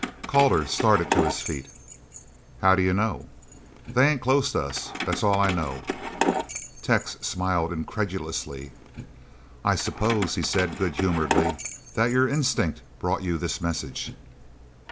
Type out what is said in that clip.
Calder started to his feet. "How do you know?" "They ain't close to us, that's all I know." Tex smiled incredulously. "I suppose," he said good humouredly, "that your instinct brought you this message?"